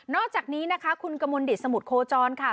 อกจากนี้นะคะคุณกมลดิตสมุทรโคจรค่ะ